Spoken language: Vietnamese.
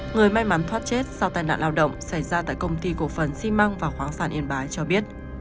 người may mắn thoát chết sau tai nạn lao động xảy ra tại công ty cổ phần xi măng và khoáng sản yên bái cho biết